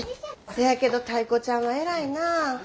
せやけどタイ子ちゃんは偉いなあ。